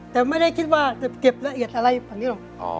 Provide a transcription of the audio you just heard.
แต่ไม่ได้คิดว่าจะเก็บละเอียดอะไรแบบนี้หรอก